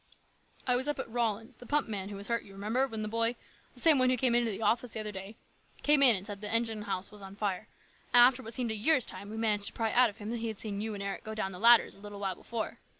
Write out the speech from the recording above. " I was up at Rollins', the pump man who was hurt, you remember, when the boy the same one THE RESCUE. 79 who came to the office the other day came in and said the engine house was on fire; and after what seemed like a year's time we managed to pry out of him that he had seen you and Eric go down the ladders a little while before.